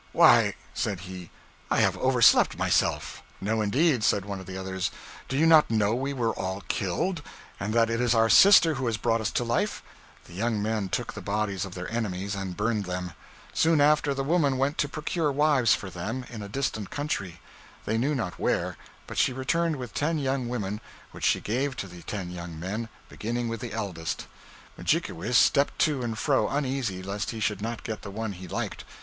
'Why,' said he, 'I have overslept myself.' 'No, indeed,' said one of the others, 'do you not know we were all killed, and that it is our sister who has brought us to life?' The young men took the bodies of their enemies and burned them. Soon after, the woman went to procure wives for them, in a distant country, they knew not where; but she returned with ten young women, which she gave to the ten young men, beginning with the eldest. Mudjikewis stepped to and fro, uneasy lest he should not get the one he liked.